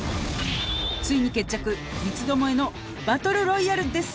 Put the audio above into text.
「ついに決着三つどもえのバトルロイヤルです」